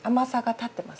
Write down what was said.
立ってます。